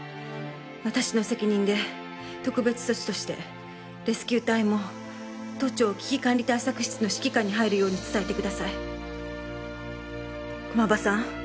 私の責任で特別措置としてレスキュー隊も都庁危機管理対策室の指揮下に入るように伝えてください駒場さん